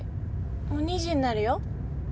もう２時になるよ。